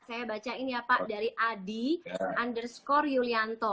saya bacain ya pak dari adi underscore yulianto